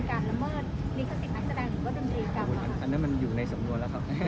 นิกสติกแสดงหรือว่าจนตรีกรรมอันนั้นมันอยู่ในสำนวนแล้วครับ